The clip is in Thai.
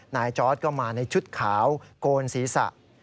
จอร์ดก็มาในชุดขาวโกนศีรษะ